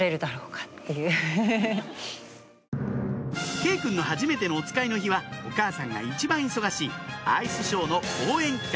佳依くんのはじめてのおつかいの日はお母さんが一番忙しいアイスショーの公演期間